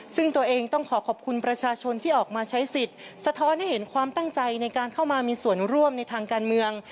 ซึ่งตัวเองต้องขอขอบคุณประชาชนที่ออกมาใช้สิทธิ์สะท้อนให้เห็นความตั้งใจในการเข้ามามีส่วนร่วมในทางการเมือง